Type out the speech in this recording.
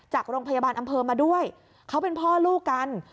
จากโรงพยาบาลอำเภอมาด้วยเขาเป็นพ่อลูกกัน